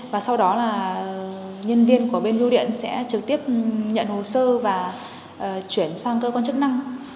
và sau đó là nhân viên của bên biêu điện sẽ trực tiếp nhận hồ sơ và chuyển sang cơ quan chức năng